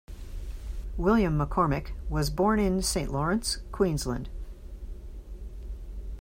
William McCormack was born in St Lawrence, Queensland.